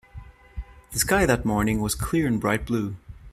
The sky that morning was clear and bright blue.